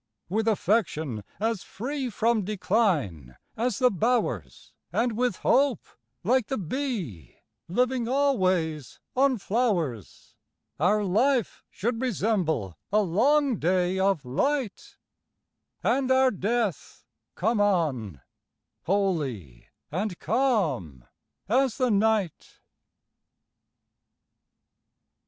With affection as free From decline as the bowers, And, with hope, like the bee, Living always on flowers, Our life should resemble a long day of light, And our death come on, holy and calm as the night.